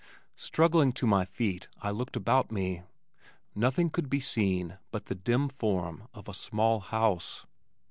Struggling to my feet I looked about me. Nothing could be seen but the dim form of a small house.